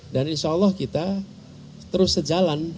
dan insyaallah kita terus sejalan